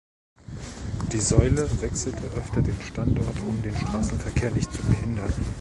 Die Säule wechselte öfter den Standort um den Straßenverkehr nicht zu behindern.